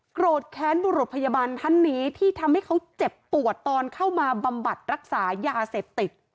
โกรธแค้นบุรุษพยาบาลท่านนี้ที่ทำให้เขาเจ็บปวดตอนเข้ามาบำบัดรักษายาเสพติด